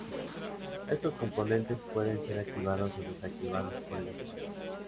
Estos componentes pueden ser activados o desactivados por el usuario.